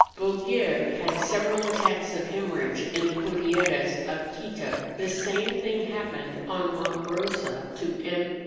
Bouguer had several attacks of hemor¬ rhage in the Cordilleras of Quito; the same thing happened on Monte Eosa to M.